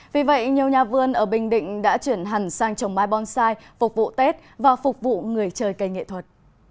vì vậy nhiều nhà vươn ở bình định đã chuyển hẳn sang trồng mai bonsai phục vụ tết và phục vụ người chơi cây nghệ thuật